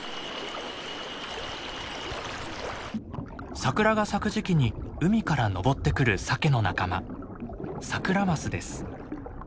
桜が咲く時期に海から上ってくるサケの仲間サクラマスです。